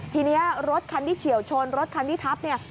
ทีนี้รถคันที่เฉียวชนรถคันที่ทับเนี่ย